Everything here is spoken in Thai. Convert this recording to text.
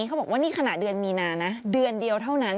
เขาบอกว่านี่ขณะเดือนมีนานะเดือนเดียวเท่านั้น